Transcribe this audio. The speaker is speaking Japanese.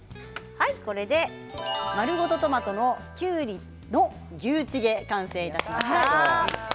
丸ごとトマトときゅうりの牛チゲ完成いたしました。